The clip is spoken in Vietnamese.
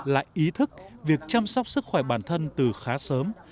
lại ý thức việc chăm sóc sức khỏe bản thân từ khá sớm